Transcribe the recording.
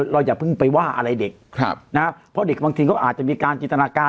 อย่าเพิ่งไปว่าอะไรเด็กเพราะเด็กบางทีก็อาจจะมีการจินตนาการ